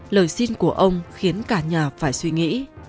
lời xin của ông khiến cả nhà phải suy nghĩ